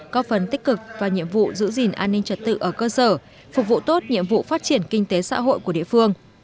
có phần tích cực và nhiệm vụ giữ gìn an ninh trật tự ở cơ sở phục vụ tốt nhiệm vụ phát triển kinh tế xã hội của địa phương